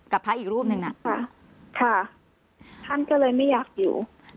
พระอีกรูปหนึ่งน่ะค่ะท่านก็เลยไม่อยากอยู่